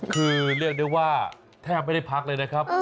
คือเรียกได้ว่าแทบไม่ได้พักเลยนะครับ